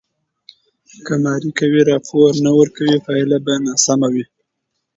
که ماري کوري راپور نه ورکړي، پایله به ناسم وي.